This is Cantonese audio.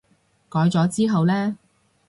改咗之後呢？